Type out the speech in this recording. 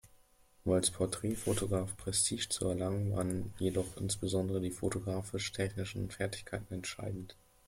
Um als Porträtfotograf Prestige zu erlangen, waren jedoch insbesondere die fotografisch-technischen Fertigkeiten entscheidend.